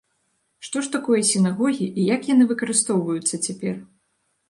Што ж такое сінагогі і як яны выкарыстоўваюцца цяпер?